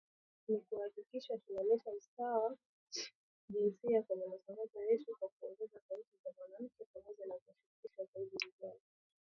Ni kuhakikisha tunaleta usawa wa jinsia kwenye matangazo yetu kwa kuongeza sauti za wanawake, pamoja na kuwashirikisha zaidi vijana.